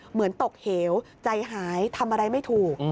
เหมือนตกเหวใจหายทำอะไรไม่ถูก